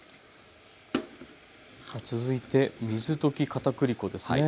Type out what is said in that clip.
続いて水溶きかたくり粉ですね。